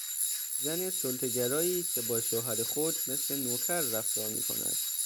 زن سلطهگرایی که با شوهر خود مثل نوکر رفتار میکند